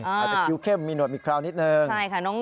อาจจะคิวเข้มมีหนวดมีคราวนิดนึง